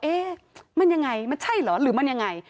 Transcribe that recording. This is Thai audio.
เอ๊ะมันยังไงมันใช่เหรอหรือมันยังไง